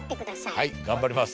はい頑張ります。